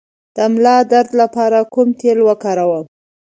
د ملا درد لپاره کوم تېل وکاروم؟